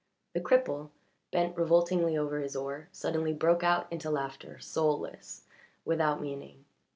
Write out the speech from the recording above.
The cripple, bent revoltingly over his oar, suddenly broke out into laughter, soulless, without meaning.